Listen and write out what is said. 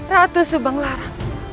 ratu subang lara